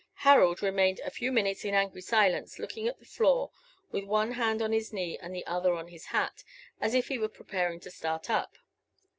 Harold remained a few minutes in angry silence looking at the floor, with one hand on his knee and the other on his hat, as if he were preparing to start up.